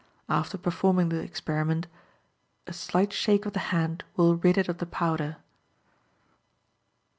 After performing the experiment, a slight shake of the hand will rid it of the powder.